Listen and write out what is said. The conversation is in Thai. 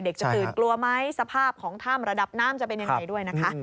จะตื่นกลัวไหมสภาพของถ้ำระดับน้ำจะเป็นยังไงด้วยนะคะ